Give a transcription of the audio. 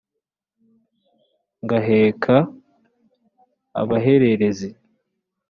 Ngaheka abahererezi.